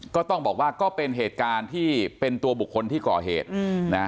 ก็ต้องบอกว่าก็เป็นเหตุการณ์ที่เป็นตัวบุคคลที่ก่อเหตุนะฮะ